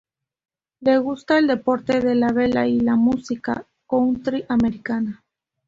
Le gusta el deporte de la vela y la música country americana.